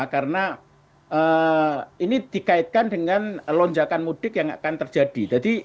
karena ini dikaitkan dengan lonjakan mudik yang akan terjadi